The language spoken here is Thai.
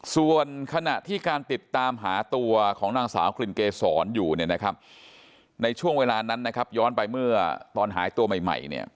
ส่วนขณะที่การติดตามหาตัวของนางสาวกลิ่นเกษรอยู่เนี่ยนะครับในช่วงเวลานั้นนะครับย้อนไปเมื่อตอนหายตัวใหม่เนี่ย